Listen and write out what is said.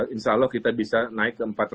insya allah kita bisa naik ke empat ratus